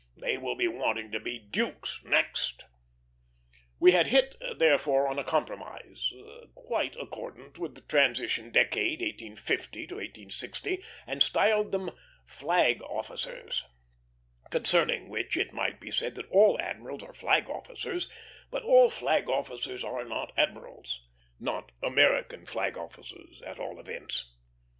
They will be wanting to be dukes next." We had hit, therefore, on a compromise, quite accordant with the transition decade 1850 1860, and styled them flag officers; concerning which it might be said that all admirals are flag officers, but all flag officers were not admirals not American flag officers, at all events.